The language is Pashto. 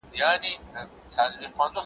او ماته یې هم په دې مراسمو کي `